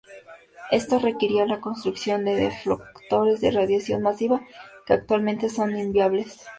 Esto requeriría la construcción de deflectores de radiación masiva, que actualmente son inviables.